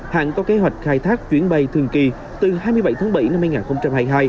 hãng có kế hoạch khai thác chuyến bay thường kỳ từ hai mươi bảy tháng bảy năm hai nghìn hai mươi hai